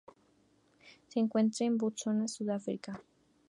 Se encuentra en Botsuana y Sudáfrica.